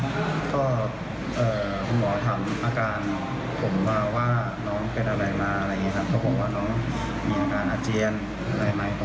เขาบอกว่าน้องมีอาการอาเจียนอะไรใหม่